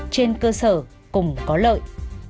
trên cơ sở cùng có lợi